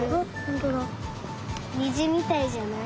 にじみたいじゃない？